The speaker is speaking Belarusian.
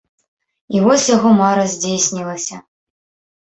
І вось яго мара здзейснілася!